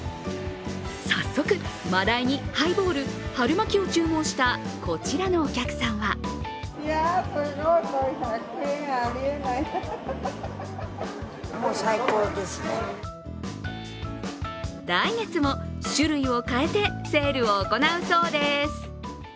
早速、まだいにハイボール春巻きを注文したこちらのお客さんは来月も、種類を変えてセールを行うそうです。